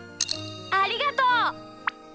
ありがとう！